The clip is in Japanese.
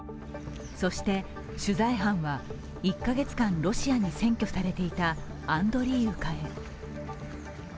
そして、取材班は１カ月間、ロシアに占拠されていたアンドリーウカへ。